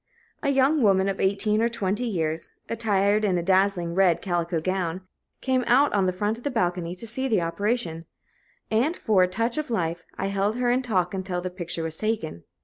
A young woman of eighteen or twenty years, attired in a dazzling red calico gown, came out on the front balcony to see the operation; and, for a touch of life, I held her in talk until the picture was taken.